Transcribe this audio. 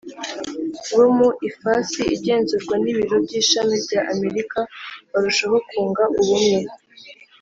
Bo mu ifasi igenzurwa n ibiro by ishami bya amerika barushaho kunga ubumwe